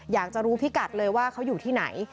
อยากจะรู้พิกัดเลยว่าเขาอยู่ที่ไหน